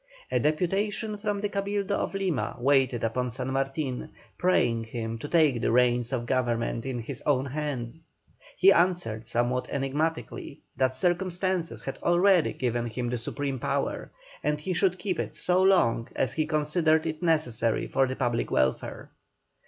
A deputation from the Cabildo of Lima waited upon San Martin, praying him to take the reins of government into his own hands. He answered somewhat enigmatically, that circumstances had already given him the supreme power, and he should keep it so long as he considered it necessary for the public welfare.